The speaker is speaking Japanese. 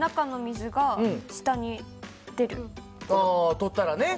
ああ取ったらね。